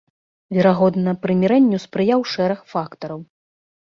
Верагодна, прымірэнню спрыяў шэраг фактараў.